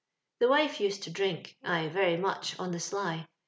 The wife used to drmk — ay, very much, • on the sly.